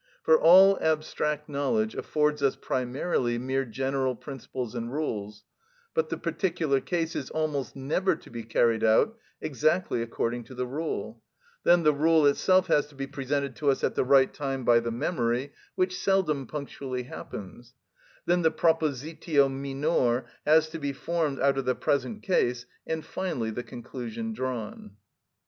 For all abstract knowledge affords us primarily mere general principles and rules; but the particular case is almost never to be carried out exactly according to the rule; then the rule itself has to be presented to us at the right time by the memory, which seldom punctually happens; then the propositio minor has to be formed out of the present case, and finally the conclusion drawn.